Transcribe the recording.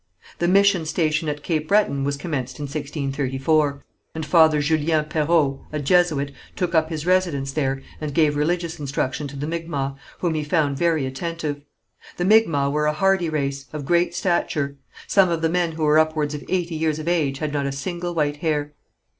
The mission station at Cape Breton was commenced in 1634, and Father Julian Perrault, a Jesuit, took up his residence there and gave religious instruction to the Micmacs, whom he found very attentive. The Micmacs were a hardy race, of great stature. Some of the men who were upwards of eighty years of age had not a single white hair.